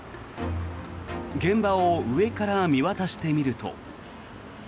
現場を上から見渡してみると。